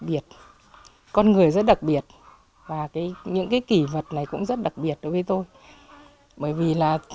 biệt con người rất đặc biệt và những cái kỷ vật này cũng rất đặc biệt đối với tôi bởi vì là